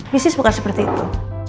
bisnis bukan seperti itu